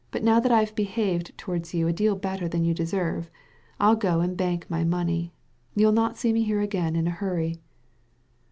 But now that I've behaved towards you a deal better than you deserve, I'll go and bank my money. You'll not see me here again in a hurry."